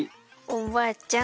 おばあちゃん